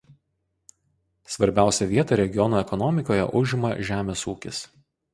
Svarbiausią vietą regiono ekonomikoje užima žemės ūkis.